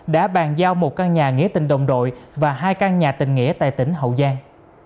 đã bàn giao một căn nhà nghĩa tình đồng đội và hai căn nhà tình nghĩa tại tỉnh hậu giang